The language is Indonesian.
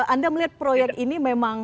anda melihat proyek ini